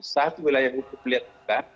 satu wilayah hukum melihat bukan